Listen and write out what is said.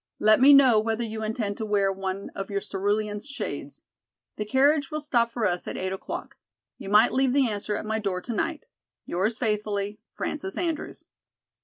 Let me know whether you intend to wear one of your cerulean shades. The carriage will stop for us at eight o'clock. You might leave the answer at my door to night. "'Yours faithfully, "'FRANCES ANDREWS.'"